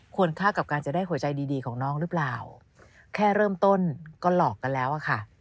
ค่ากับการจะได้หัวใจดีดีของน้องหรือเปล่าแค่เริ่มต้นก็หลอกกันแล้วอะค่ะ